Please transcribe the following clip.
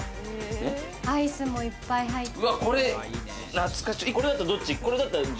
アイスもいっぱい入ってる。